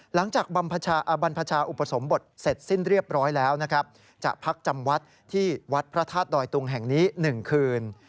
หลังจากบรรพชาอุปสมบทเสร็จสิ้นเรียบร้อยแล้วนะครับจะพักจำวัดที่วัดพระธาตุดอยตุงแห่งนี้๑คืน